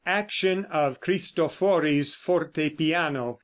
ACTION OF CRISTOFORI'S FORTEPIANO.